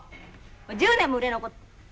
もう１０年も売れ残ってる。